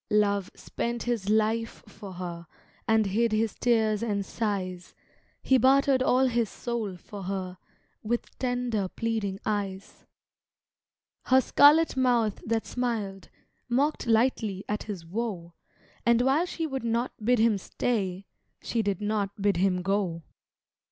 Love spent his life for her And hid his tears and sighs; He bartered all his soul for her, With tender pleading eyes. Her scarlet mouth that smiled, Mocked lightly at his woe, And while she would not bid him stay She did not bid him go.